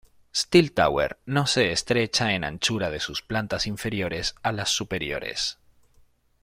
Steel Tower no se estrecha en anchura de sus plantas inferiores a las superiores.